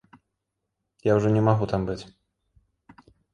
Я ўжо не магу там быць.